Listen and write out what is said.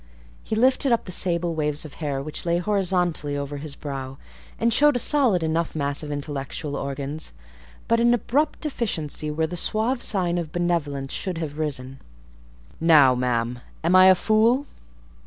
He lifted up the sable waves of hair which lay horizontally over his brow, and showed a solid enough mass of intellectual organs, but an abrupt deficiency where the suave sign of benevolence should have risen. "Now, ma'am, am I a fool?"